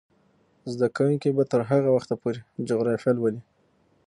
زده کوونکې به تر هغه وخته پورې جغرافیه لولي.